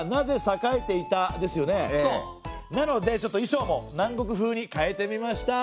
なので衣装も南国風に変えてみました！